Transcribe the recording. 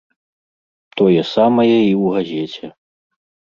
Тое самае і ў газеце.